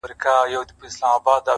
ما کتلی په ورغوي کي زما د ارمان پال دی-